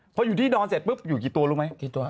พออยู่ที่ดอนเสร็จปุ๊บอยู่กี่ตัวรู้ไหมกี่ตัว